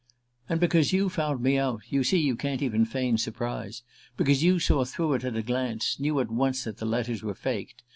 "And because you found me out (you see, you can't even feign surprise!) because you saw through it at a glance, knew at once that the letters were faked.